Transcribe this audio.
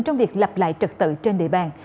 trong việc lặp lại trật tự trên địa bàn